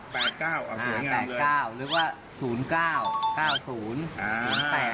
แปดเก้าสวยงามเลยแปดเก้าเรียกว่า๐๙๙๐๘